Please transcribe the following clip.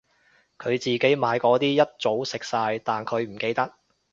佢自己買嗰啲一早食晒但佢唔記得